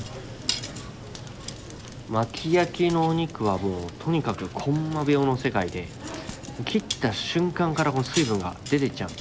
薪焼きのお肉はとにかくコンマ秒の世界で切った瞬間から水分が出ていっちゃう。